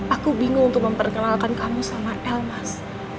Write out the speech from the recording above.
aku bingung untuk memperkenalkan kamu sama el mas